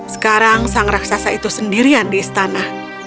sekarang sang raksasa itu sendirian di istana